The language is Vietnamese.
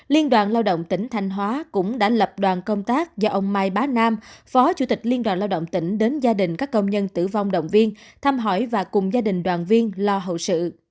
liên đoàn lao động tỉnh thanh hóa cũng đã lập đoàn công tác do ông mai bá nam phó chủ tịch liên đoàn lao động tỉnh đến gia đình các công nhân tử vong động viên thăm hỏi và cùng gia đình đoàn viên lo hậu sự